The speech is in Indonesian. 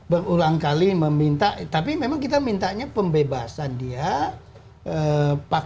berulang kali meminta tapi memang kita mintanya pembebasan dia